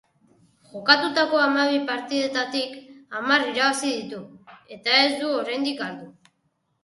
Jokatutako hamabi partidetatik hamar irabazi ditu, eta ez du oraindik galdu.